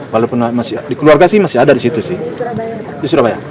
walaupun di keluarga masih ada di situ sih